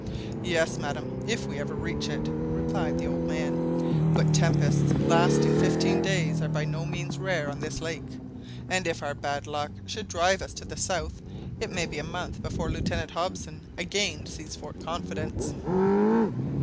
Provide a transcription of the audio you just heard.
"Yes, madam, if we ever reach it," replied the old man. "But tempests lasting fifteen days are by no means rare on this lake; and if our bad luck should drive us to the south, it may be a month before Lieutenant Hobson again sees Fort Confidence."